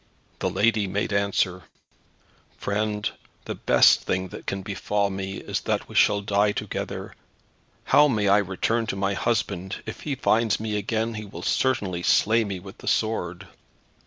The lady made answer, "Friend, the best thing that can befall me is that we shall die together. How may I return to my husband? If he finds me again he will certainly slay me with the sword."